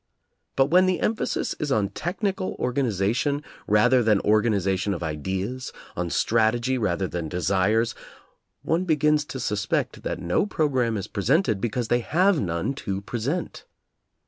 But when the emphasis is on technical organization, rather than organization of ideas, on strategy rather than desires, one begins to suspect that no programme is presented because they have none to present.